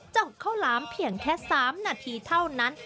เจาะข้าวหลามเพียงแค่๓นาทีเท่านั้น